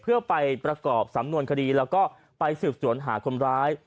เพื่อไปประกอบสำนวนคดีแล้วก็ไปสืบสวนหาคนร้าย